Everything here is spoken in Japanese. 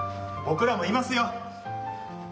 僕らもいますよ。